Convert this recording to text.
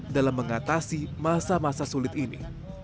dalam mengatasi masa masa sulit ini